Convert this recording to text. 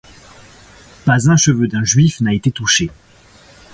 Pas un cheveu d'un Juif n'a été touché.